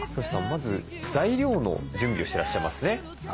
まず材料の準備をしてらっしゃいますね。